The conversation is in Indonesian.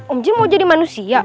om jin mau jadi manusia